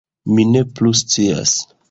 - Mi ne plu scias